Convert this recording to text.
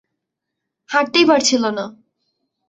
হাঁটতেই পারছিলো না।